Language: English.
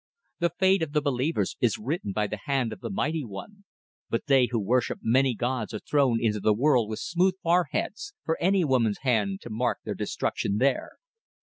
The fate of the Believers is written by the hand of the Mighty One, but they who worship many gods are thrown into the world with smooth foreheads, for any woman's hand to mark their destruction there.